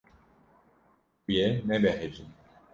Tu yê nebehecî.